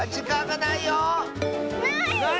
ない？